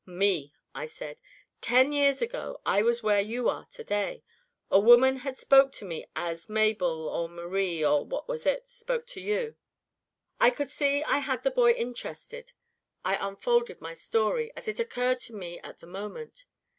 'Me,' I said. 'Ten years ago I was where you are to day. A woman had spoken to me as Mabel or Marie or what was it? spoke to you.' "I could see I had the boy interested. I unfolded my story, as it occurred to me at the moment.